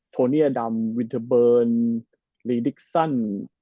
โทเนียดำวินเทอร์เบิร์นลีดิกซัน